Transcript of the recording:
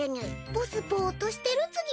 ボスボーっとしてるつぎ。